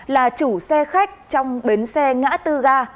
là chủ xe khách trong bến xe ngã tư ga